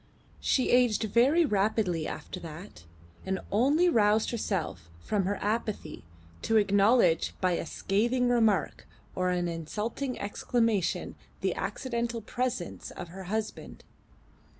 She aged very rapidly after that, and only roused herself from her apathy to acknowledge by a scathing remark or an insulting exclamation the accidental presence of her husband.